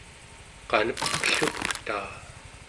qaneplugtaa